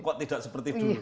kok tidak seperti dulu